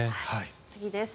次です。